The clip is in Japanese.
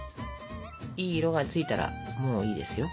いい色がついたらもういいですよ。